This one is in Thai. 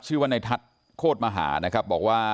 ชื่อว่านายทัศน์โคตรมาหานะครับ